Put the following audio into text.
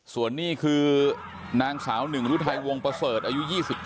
ส่วนนี้คือนางสาวหนึ่งฤทัยวงประเสริฐอายุ๒๙